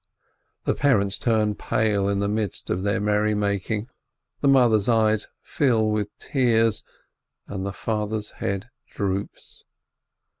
The parents turn pale in the midst of their merry making, the mother's eyes fill with tears, and the father's head droops.